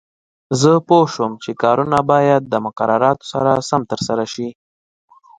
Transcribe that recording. زه پوه شوم چې کارونه باید د مقرراتو سره سم ترسره شي.